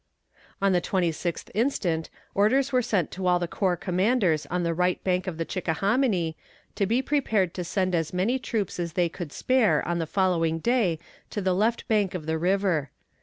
On the twenty sixth instant orders were sent to all the corps commanders on the right bank of the Chickahominy to be prepared to send as many troops as they could spare on the following day to the left bank of the river.